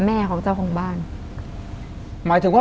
ทำไมเขาถึงจะมาอยู่ที่นั่น